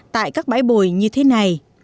tại các bãi bồi như thế này